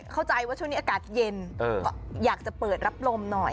เข้าใจว่าช่วงนี้อากาศเย็นอยากจะเปิดรับลมหน่อย